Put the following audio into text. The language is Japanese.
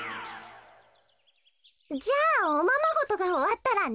じゃあおままごとがおわったらね。